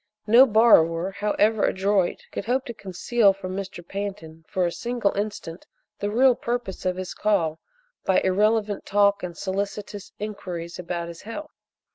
No borrower, however adroit, could hope to conceal from Mr. Pantin for a single instant the real purpose of his call by irrelevant talk and solicitous inquiries about his health.